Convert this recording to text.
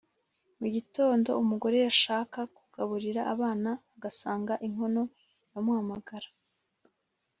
Mu gitondo umugore yashaka kugaburira abana agasanga inkono iramuhamagara